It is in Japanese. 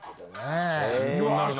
勉強になるな！